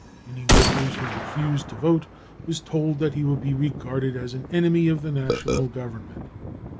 Any worker who refused to vote was told that he would be regarded as an enemy of the National Government.